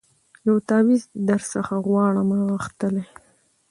یو تعویذ درڅخه غواړمه غښتلی